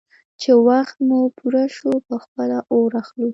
_چې وخت مو پوره شو، په خپله اور اخلو.